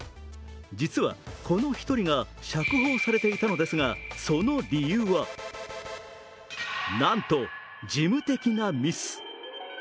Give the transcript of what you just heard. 実はこの１人が釈放されていたのですが、その理由はなんと事務的なミス。